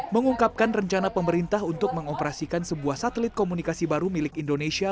mengungkapkan rencana pemerintah untuk mengoperasikan sebuah satelit komunikasi baru milik indonesia